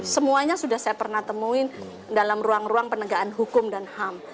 semuanya sudah saya pernah temuin dalam ruang ruang penegakan hukum dan ham